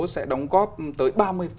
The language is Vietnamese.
sẽ đóng góp tới ba mươi